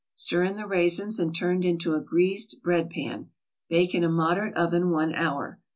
Stir in the raisins, and turn into a greased bread pan. Bake in a moderate oven one hour.